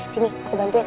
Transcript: sini aku bantuin